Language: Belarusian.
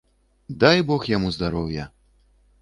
Дай бог яму здароўя!